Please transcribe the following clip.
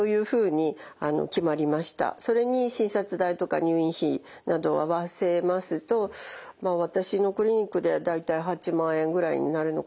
それに診察代とか入院費など合わせますと私のクリニックでは大体８万円ぐらいになるのかなと思っています。